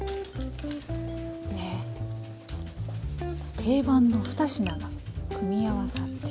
定番の２品が組み合わさって。